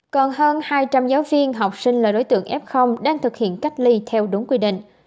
còn hơn hai trăm linh giáo viên học sinh là đối tượng f đang thực hiện cách ly theo đúng quy định